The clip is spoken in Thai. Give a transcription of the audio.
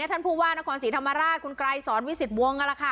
ท่านผู้ว่านครศรีธรรมราชคุณไกรสอนวิสิตวงนั่นแหละค่ะ